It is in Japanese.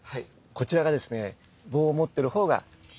こちらがですね棒を持ってる方が源頼朝。